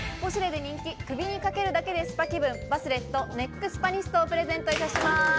ポシュレで人気、首にかけるだけでスパ気分、バスレットネックスパニストをプレゼントいたします。